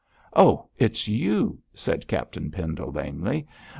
'Oh, it's you!' said Captain Pendle, lamely.